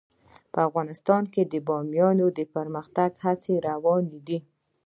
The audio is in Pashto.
افغانستان کې د بامیان د پرمختګ هڅې روانې دي.